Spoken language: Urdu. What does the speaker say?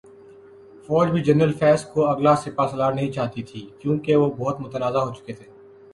فوج بھی جنرل فیض کو اگلا سپاسالار نہیں چاہتی تھی، کیونکہ وہ بہت متنازع ہوچکے تھے۔۔